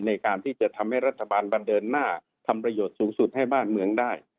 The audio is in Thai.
ในการที่จะทำให้รัฐบาลมาเดินหน้าทำประโยชน์สูงสุดให้บ้านเมืองได้